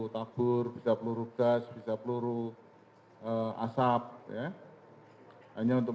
nah rus numbers wah ayo and